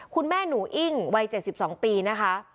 คุณแม่หนูอิ้งวัย๗๒ปีนะคะ